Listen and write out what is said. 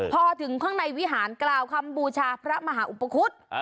พอถึงข้างในวิหารกล่าวคำบูชาพระมหาอุปคุฎ